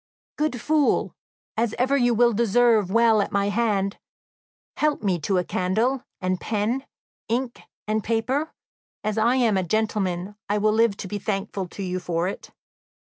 "Good fool, as ever you will deserve well at my hand, help me to a candle, and pen, ink, and paper; as I am a gentleman, I will live to be thankful to you for it!"